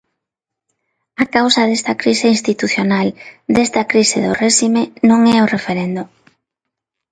A causa desta crise institucional, desta crise do réxime, non é o referendo.